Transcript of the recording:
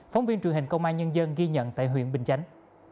phóng viên truyền hình công an nhân dân ghi nhận tại huyện bình chánh